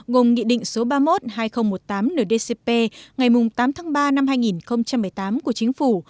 gồm nghị định số ba mươi một hai nghìn một mươi tám ndcp ngày tám tháng ba năm hai nghìn một mươi tám của chính phủ